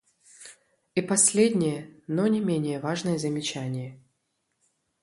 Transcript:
И последнее, но не менее важное замечание.